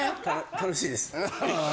楽しいです。